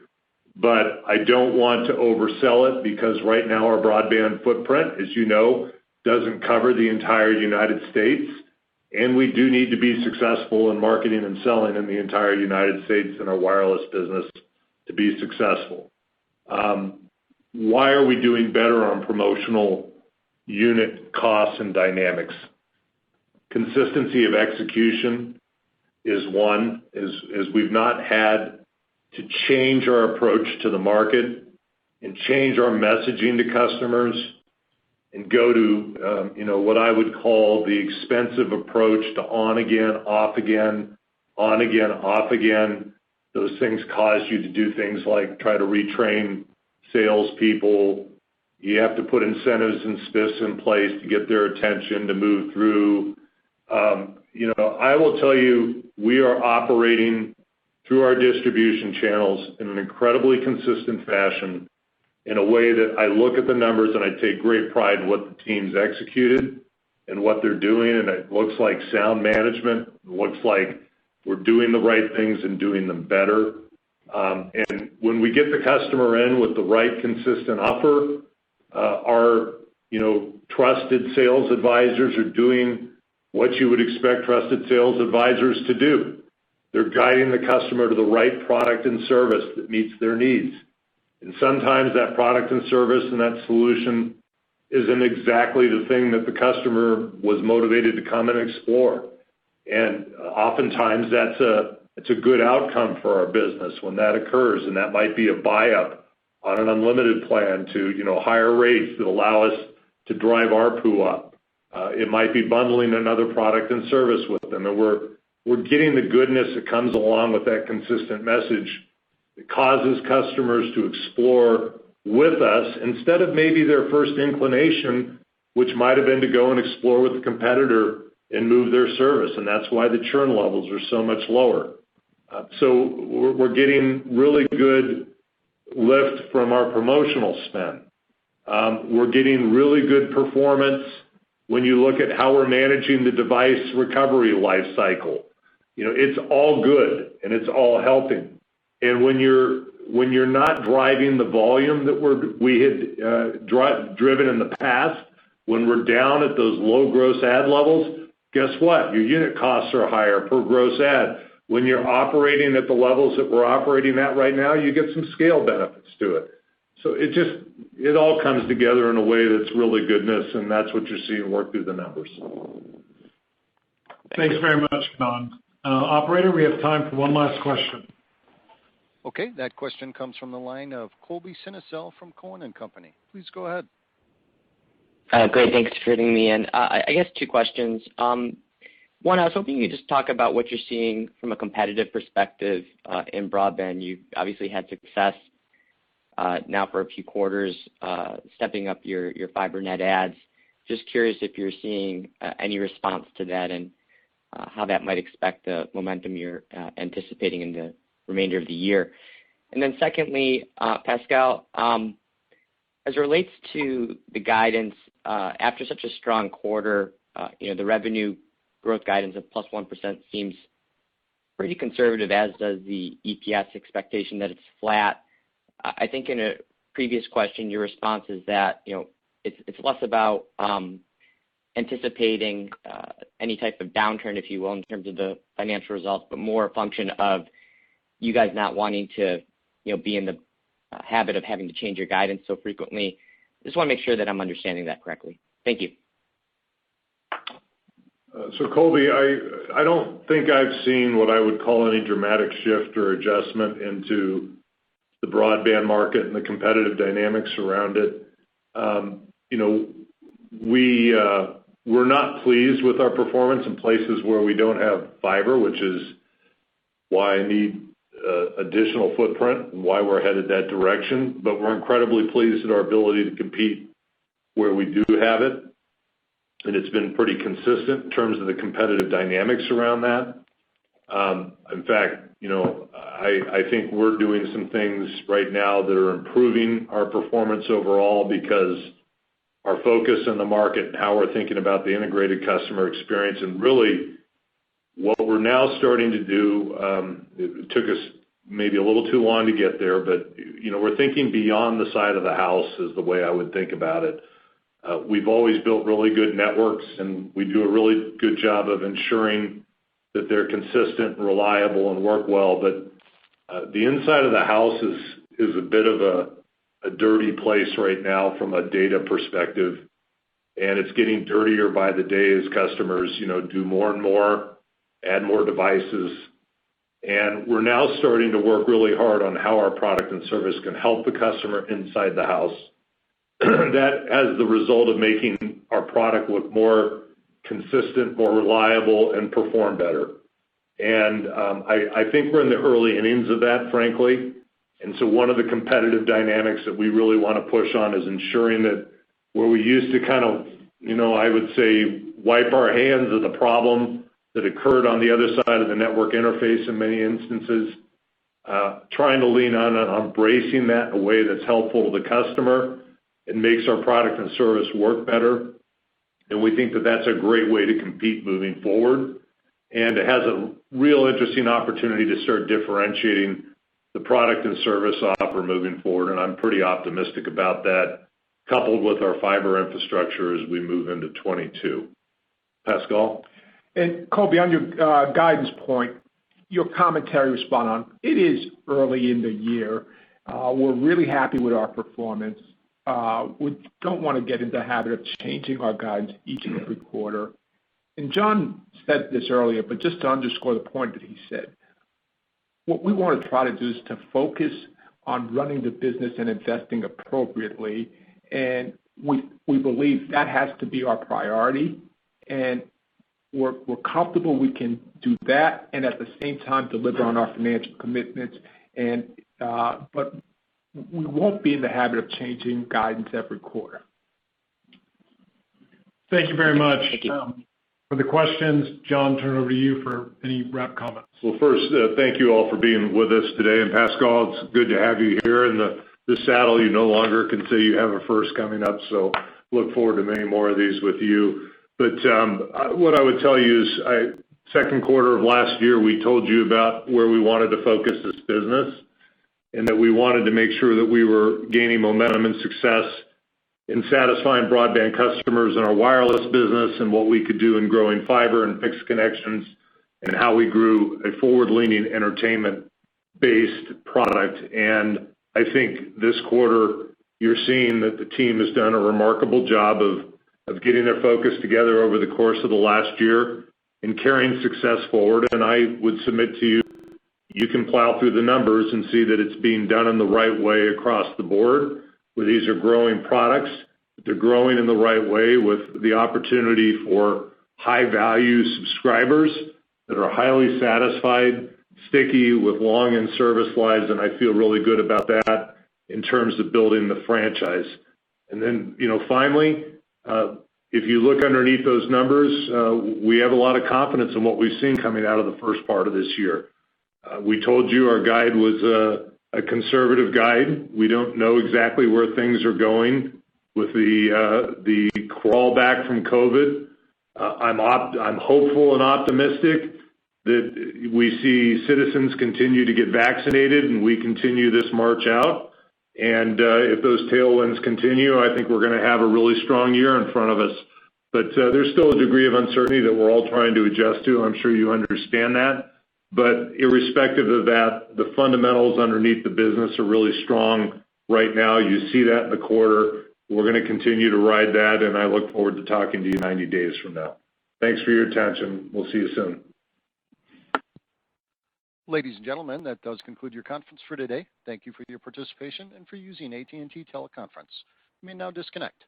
I don't want to oversell it, because right now, our broadband footprint, as you know, doesn't cover the entire United States, and we do need to be successful in marketing and selling in the entire United States and our wireless business to be successful. Why are we doing better on promotional unit costs and dynamics? Consistency of execution is one. As we've not had to change our approach to the market and change our messaging to customers and go to what I would call the expensive approach to on again, off again, on again, off again. Those things cause you to do things like try to retrain salespeople. You have to put incentives and spiffs in place to get their attention to move through. I will tell you, we are operating through our distribution channels in an incredibly consistent fashion, in a way that I look at the numbers and I take great pride in what the team's executed in what they're doing, and it looks like sound management. It looks like we're doing the right things and doing them better. When we get the customer in with the right consistent offer, our trusted sales advisors are doing what you would expect trusted sales advisors to do. They're guiding the customer to the right product and service that meets their needs. Sometimes that product and service and that solution isn't exactly the thing that the customer was motivated to come and explore. Oftentimes, that's a good outcome for our business when that occurs, and that might be a buyup on an unlimited plan to higher rates that allow us to drive ARPU up. It might be bundling another product and service with them. We're getting the goodness that comes along with that consistent message that causes customers to explore with us instead of maybe their first inclination, which might've been to go and explore with a competitor and move their service. That's why the churn levels are so much lower. We're getting really good lift from our promotional spend. We're getting really good performance when you look at how we're managing the device recovery life cycle. It's all good, and it's all helping. When you're not driving the volume that we had driven in the past, when we're down at those low gross add levels, guess what? Your unit costs are higher per gross add. When you're operating at the levels that we're operating at right now, you get some scale benefits to it. It all comes together in a way that's really goodness, and that's what you're seeing work through the numbers. Thanks very much, John. Operator, we have time for one last question. Okay, that question comes from the line of Colby Synesael from Cowen & Company. Please go ahead. Great. Thanks for getting me in. I guess two questions. One, I was hoping you could just talk about what you're seeing from a competitive perspective in broadband. You've obviously had success now for a few quarters stepping up your fiber net adds. Just curious if you're seeing any response to that and how that might affect the momentum you're anticipating in the remainder of the year. Secondly, Pascal, as it relates to the guidance, after such a strong quarter, the revenue growth guidance of +1% seems pretty conservative, as does the EPS expectation that it's flat. I think in a previous question, your response is that it's less about anticipating any type of downturn, if you will, in terms of the financial results, but more a function of you guys not wanting to be in the habit of having to change your guidance so frequently. Just want to make sure that I'm understanding that correctly. Thank you. Colby, I don't think I've seen what I would call any dramatic shift or adjustment into the broadband market and the competitive dynamics around it. We're not pleased with our performance in places where we don't have fiber, which is why I need additional footprint and why we're headed that direction. We're incredibly pleased at our ability to compete where we do have it, and it's been pretty consistent in terms of the competitive dynamics around that. In fact, I think we're doing some things right now that are improving our performance overall because our focus in the market and how we're thinking about the integrated customer experience, and really what we're now starting to do, it took us maybe a little too long to get there, but we're thinking beyond the side of the house is the way I would think about it. We've always built really good networks, and we do a really good job of ensuring that they're consistent, reliable, and work well. The inside of the house is a bit of a dirty place right now from a data perspective, and it's getting dirtier by the day as customers do more and more, add more devices. We're now starting to work really hard on how our product and service can help the customer inside the house. That as the result of making our product look more consistent, more reliable, and perform better. I think we're in the early innings of that, frankly. One of the competitive dynamics that we really want to push on is ensuring that where we used to, I would say, wipe our hands of the problem that occurred on the other side of the network interface in many instances, trying to lean on and embracing that in a way that's helpful to the customer and makes our product and service work better. We think that that's a great way to compete moving forward. It has a real interesting opportunity to start differentiating the product and service offer moving forward, and I'm pretty optimistic about that, coupled with our fiber infrastructure as we move into 2022. Pascal? Colby, on your guidance point, your commentary to respond on, it is early in the year. We're really happy with our performance. We don't want to get in the habit of changing our guidance each and every quarter. John said this earlier, but just to underscore the point that he said. What we want to try to do is to focus on running the business and investing appropriately, and we believe that has to be our priority, and we're comfortable we can do that and at the same time deliver on our financial commitments. We won't be in the habit of changing guidance every quarter. Thank you very much. Thank you. For the questions, John, turn it over to you for any wrap comments. Well, first, thank you all for being with us today. Pascal, it's good to have you here in the saddle. You no longer can say you have a first coming up, so look forward to many more of these with you. What I would tell you is, second quarter of last year, we told you about where we wanted to focus this business, and that we wanted to make sure that we were gaining momentum and success in satisfying broadband customers in our wireless business, and what we could do in growing fiber and fixed connections, and how we grew a forward-leaning entertainment-based product. I think this quarter, you're seeing that the team has done a remarkable job of getting their focus together over the course of the last year and carrying success forward. I would submit to you can plow through the numbers and see that it's being done in the right way across the board, where these are growing products. They're growing in the right way with the opportunity for high-value subscribers that are highly satisfied, sticky, with long end-service lives, and I feel really good about that in terms of building the franchise. Finally, if you look underneath those numbers, we have a lot of confidence in what we've seen coming out of the first part of this year. We told you our guide was a conservative guide. We don't know exactly where things are going with the crawl back from COVID. I'm hopeful and optimistic that we see citizens continue to get vaccinated, and we continue this march out. If those tailwinds continue, I think we're going to have a really strong year in front of us. There's still a degree of uncertainty that we're all trying to adjust to. I'm sure you understand that. Irrespective of that, the fundamentals underneath the business are really strong right now. You see that in the quarter. We're going to continue to ride that, and I look forward to talking to you 90 days from now. Thanks for your attention. We'll see you soon. Ladies and gentlemen, that does conclude your conference for today. Thank you for your participation and for using AT&T Teleconference. You may now disconnect.